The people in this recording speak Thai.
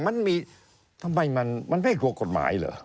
มันมีทำไมมันไม่กลัวกฎหมายเหรอ